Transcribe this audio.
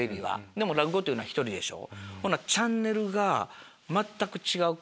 でも落語というのは１人でしょ。